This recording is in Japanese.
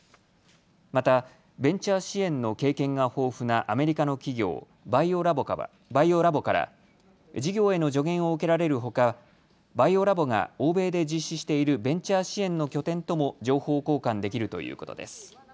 またベンチャー支援の経験が豊富なアメリカの企業バイオラボから事業への助言を受けられるほかバイオラボが欧米で実施しているベンチャー支援の拠点とも情報交換できるということです。